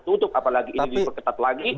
tutup apalagi ini diperketat lagi